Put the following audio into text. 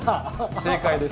正解です。